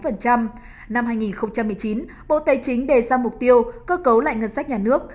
năm hai nghìn một mươi chín bộ tài chính đề ra mục tiêu cơ cấu lại ngân sách nhà nước